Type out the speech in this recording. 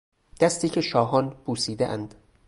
دستی که شاهان بوسیدهاند